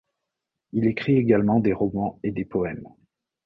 Il écrit également des romans et des poèmes.